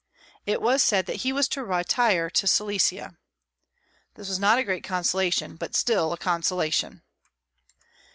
It was said that he was to retire to Silesia. This was not a great consolation, but still a consolation.